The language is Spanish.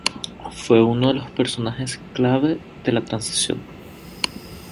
Fue uno de los personajes "clave" de la transición.